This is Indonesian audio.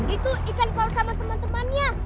itu ikan paus sama teman temannya